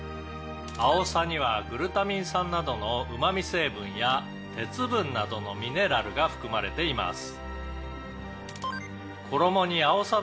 「あおさにはグルタミン酸などのうまみ成分や鉄分などのミネラルが含まれています」